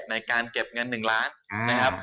ในการเก็บเงิน๑ล้านนะครับ